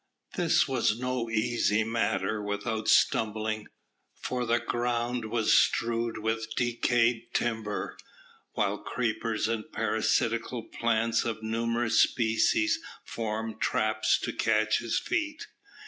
This was no easy matter without stumbling, for the ground was strewed with decayed timber, while creepers and parasitical plants of numerous species formed traps to catch his feet.